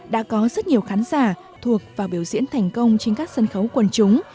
đã có rất nhiều khán giả thuộc vào biểu diễn thành công trên các sân khấu quần chúng